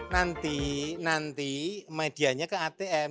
nanti nanti medianya ke atm